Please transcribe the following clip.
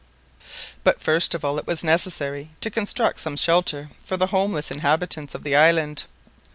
But first of all, it was necessary to construct some shelter for the homeless inhabitants of the island.